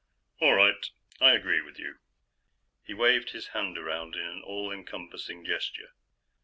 All right, I agree with you." He waved his hand around, in an all encompassing gesture.